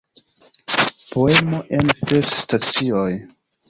Poemo en ses stacioj".